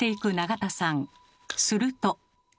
すると。